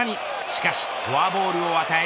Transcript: しかしフォアボールを与え